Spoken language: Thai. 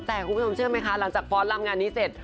แต่คุณผู้ชมเชื่อไหมคะหลังจากฟ้อนรำงานนี้เสร็จ